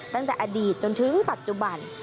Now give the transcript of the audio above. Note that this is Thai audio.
ตั้งแต่อดีตจนถึงปัจจุบัน